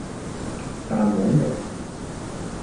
蛋黃肉